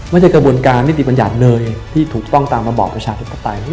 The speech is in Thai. กระบวนการนิติบัญญัติเลยที่ถูกต้องตามระบอบประชาธิปไตย